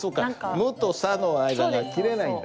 「む」と「さ」の間が切れないんだ。